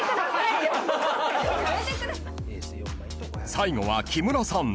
［最後は木村さん］